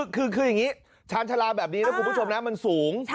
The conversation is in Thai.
คืออย่างนี้ชาญชาลาแบบนี้นะคุณผู้ชมนะมันสูง